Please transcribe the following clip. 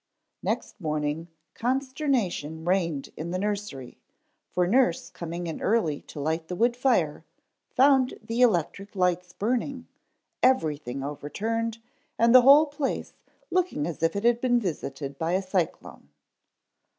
_ NEXT morning consternation reigned in the nursery, for nurse coming in early to light the wood fire, found the electric lights burning, everything overturned, and the whole place looking as if it had been visited by a cyclone.